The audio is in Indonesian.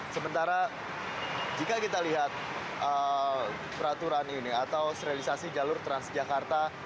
sementara jika kita lihat peraturan ini atau sterilisasi jalur transjakarta